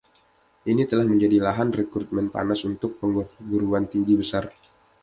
Ini telah menjadi lahan rekrutmen panas untuk perguruan tinggi besar.